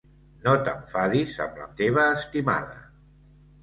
No t'enfadis amb la teva estimada.